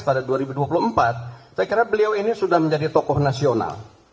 pada dua ribu dua puluh empat saya kira beliau ini sudah menjadi tokoh nasional